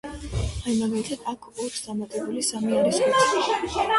აი, მაგალითად აქ, ორს დამატებული სამი არის ხუთი.